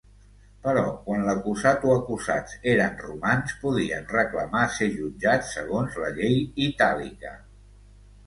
Però quan l'acusat o acusats eren romans podia reclamar ser jutjats segons la Llei Itàlica.